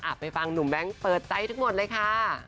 อ่ะไปฟังหนุ่มแบ๊งก์เปิดใจทุกหมดเลยค่ะ